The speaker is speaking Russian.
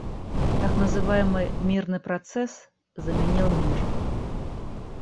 Так называемый «мирный процесс» заменил мир.